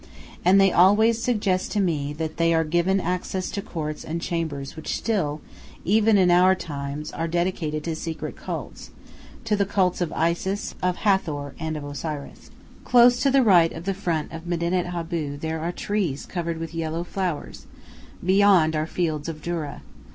And they always suggest to me that they are giving access to courts and chambers which still, even in our times, are dedicated to secret cults to the cults of Isis, of Hathor, and of Osiris. Close to the right of the front of Medinet Abu there are trees covered with yellow flowers; beyond are fields of doura.